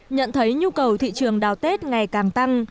nhận thấy nhu cầu thị trường đào tết ngày càng tăng